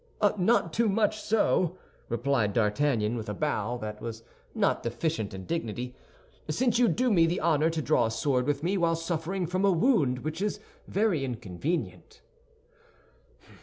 "Not too much so," replied D'Artagnan, with a bow that was not deficient in dignity, "since you do me the honor to draw a sword with me while suffering from a wound which is very inconvenient."